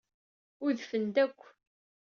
Udfen-d akk.